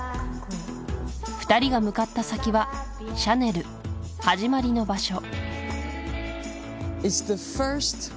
２人が向かった先は『シャネル』始まりの場所